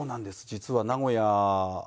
実は名古屋で。